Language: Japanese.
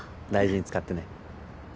大事に使ってね。